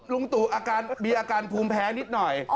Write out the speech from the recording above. ลุงตูมีอาการภูมิแพ้นิดหน่อย